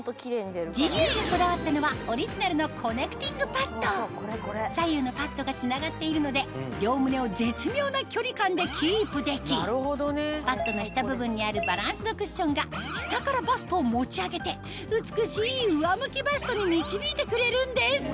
ジニエがこだわったのはオリジナルのコネクティングパッド左右のパッドがつながっているので両胸をパッドの下部分にあるバランスドクッションが下からバストを持ち上げて美しい上向きバストに導いてくれるんです